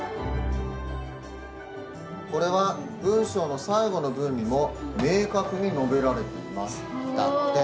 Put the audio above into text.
「これは文章の最後の文にも明確に述べられています」だって。